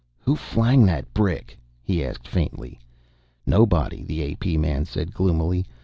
"Who flang that brick?" he asked faintly. "Nobody," the A.P. man said gloomily.